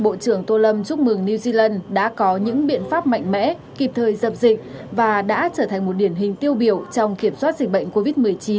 bộ trưởng tô lâm chúc mừng new zealand đã có những biện pháp mạnh mẽ kịp thời dập dịch và đã trở thành một điển hình tiêu biểu trong kiểm soát dịch bệnh covid một mươi chín